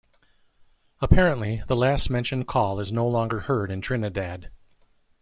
Apparently, the last mentioned call is no longer heard in Trinidad.